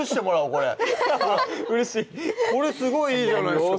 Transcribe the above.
これうれしいこれすごいいいじゃないですか